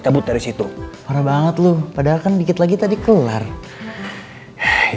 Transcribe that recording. ya udah jangan bete kayak begitu sorry